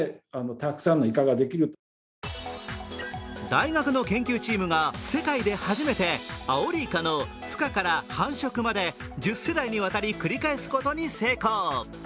大学の研究チームが世界で初めてアオリイカのふ化から繁殖まで１０世代にわたり、繰り返すことに成功。